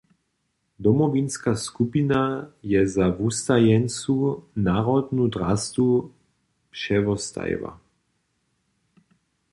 Domowinska skupina je za wustajeńcu narodnu drastu přewostajiła.